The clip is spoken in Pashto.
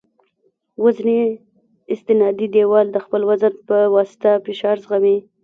وزني استنادي دیوال د خپل وزن په واسطه فشار زغمي